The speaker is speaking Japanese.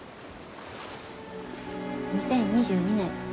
２０２２年